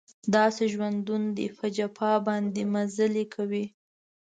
داسې ژوندون دی په جفا باندې مزلې کوي